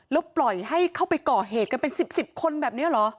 แล้วปล่อยให้เข้าไปก่อเหตุกันเป็น๑๐คนแบบนี้เหรอ